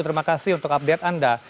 terima kasih untuk update anda